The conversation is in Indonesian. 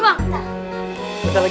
bentar dulu bang